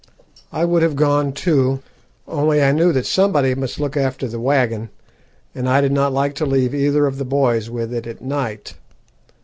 I would have gone too, only I knew that somebody must look after the waggon, and I did not like to leave either of the boys with it at night.